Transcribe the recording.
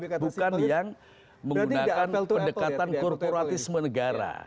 bukan yang menggunakan pendekatan korporatisme negara